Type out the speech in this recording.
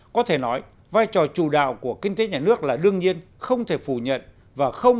có thể nói vai trò chủ đạo của kinh tế nhà nước là đương nhiên không thể phủ nhận